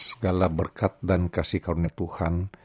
segala berkat dan kasih karena tuhan